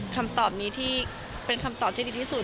คำตอบนี้ที่เป็นคำตอบที่ดีที่สุด